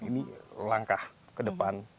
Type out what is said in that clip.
ini langkah ke depan